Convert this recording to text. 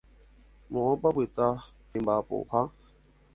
Moõpa opyta ne mba'apoha.